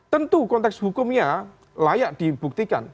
tentu konteks hukumnya layak dibuktikan